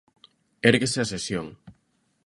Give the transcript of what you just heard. Érguese a sesión.